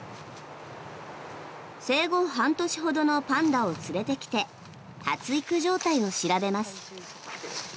生後半年ほどのパンダを連れてきて発育状態を調べます。